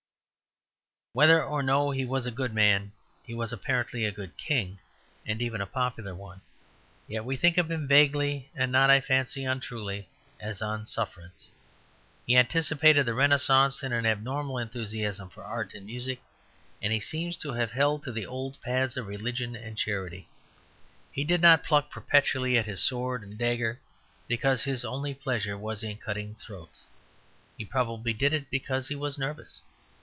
Whether or no he was a good man, he was apparently a good king and even a popular one; yet we think of him vaguely, and not, I fancy, untruly, as on sufferance. He anticipated the Renascence in an abnormal enthusiasm for art and music, and he seems to have held to the old paths of religion and charity. He did not pluck perpetually at his sword and dagger because his only pleasure was in cutting throats; he probably did it because he was nervous.